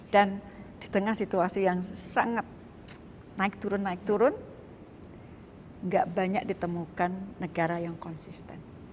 dan di tengah situasi yang sangat naik turun naik turun enggak banyak ditemukan negara yang konsisten